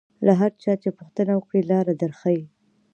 له هر چا چې پوښتنه وکړې لاره در ښیي.